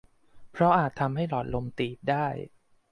เพราะอาจทำให้หลอดลมตีบได้